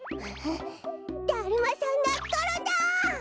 だるまさんがころんだ！